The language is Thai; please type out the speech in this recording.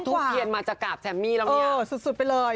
ทุกทีอันมาจะกราบแซมมี่ละมี่เออสุดไปเลย